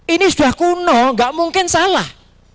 ini sudah kuno gak mungkin salah